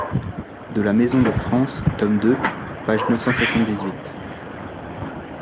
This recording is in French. de la maison de France, tome deux, page neuf cent soixante-dix-huit.